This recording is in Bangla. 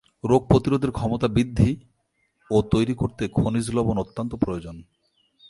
রোগ প্রতিরোধের ক্ষমতা বৃদ্ধি ও তৈরি করতে খনিজ লবণ অত্যন্ত প্রয়োজন।